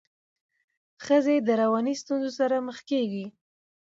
ښځي د رواني ستونزو سره مخ کيږي.